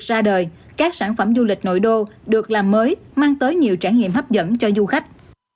ra đời các sản phẩm du lịch nội đô được làm mới mang tới nhiều trải nghiệm hấp dẫn cho du khách